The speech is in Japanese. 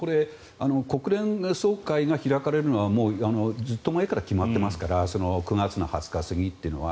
国連総会が開かれるのはもうずっと前から決まっていますから９月２０日過ぎというのは。